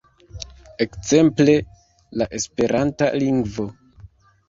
Ekzemple, la esperanta lingvo.